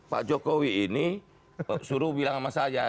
pak jokowi ini suruh bilang sama saya